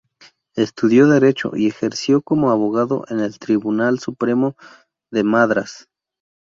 Estudió Derecho y ejerció como abogado en el Tribunal Supremo de Madrás.